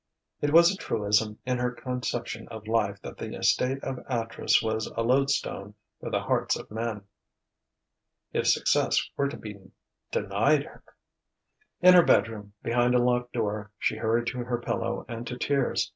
It was a truism in her conception of life that the estate of actress was a loadstone for the hearts of men. If success were to be denied her!... In her bedroom, behind a locked door, she hurried to her pillow and to tears.